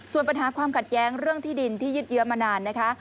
ส่วนปัญหาความขัดแย้งเรื่องที่ดินที่ยึดเยื้อมานานนะคะ